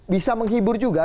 bisa menghibur juga